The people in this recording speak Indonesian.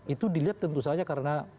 itu dilihat tentu saja karena